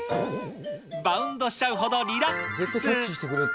バウンドしちゃうほどリラックス。